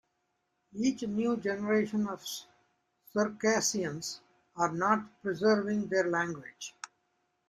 Each new generation of Circassians are not preserving their language.